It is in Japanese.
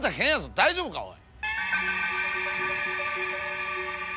大丈夫かおい。